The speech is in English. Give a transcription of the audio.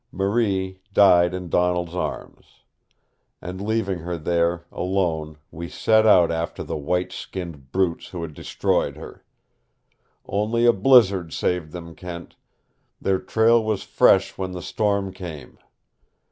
Marie died in Donald's arms. And leaving her there, alone, we set out after the white skinned brutes who had destroyed her. Only a blizzard saved them, Kent. Their trail was fresh when the storm came.